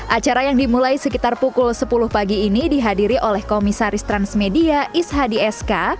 acara yang dimulai sekitar pukul sepuluh pagi ini dihadiri oleh komisaris transmedia is hadi sk